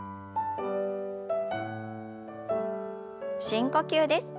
深呼吸です。